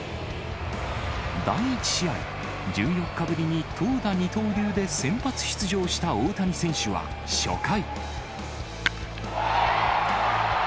第１試合、１４日ぶりに投打二刀流で先発出場した大谷選手は初回。